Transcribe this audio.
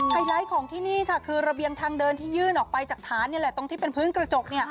ไลท์ของที่นี่ค่ะคือระเบียงทางเดินที่ยื่นออกไปจากฐานนี่แหละตรงที่เป็นพื้นกระจก